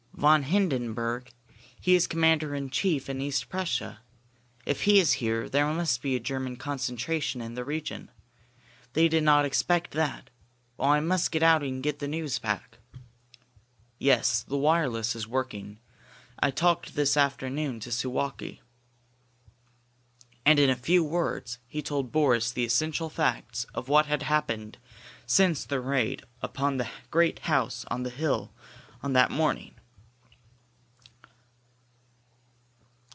"Von Hindenburg? He is commander in chief in East Prussia! If he is here, there must be a German concentration in this region! They did not expect that! Oh, I must get out and get the news back " "Yes. The wireless is working. I talked this afternoon to Suwalki." And in a few words he told Boris the essential facts of what had happened since the raid upon the great house on the hill on that morning.